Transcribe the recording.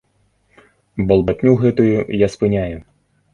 Балбатню гэтую я спыняю.